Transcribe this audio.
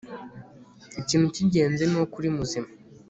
Ikintu cyingenzi nuko uri muzima